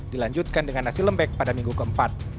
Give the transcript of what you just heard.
dilanjutkan dengan nasi lembek pada minggu keempat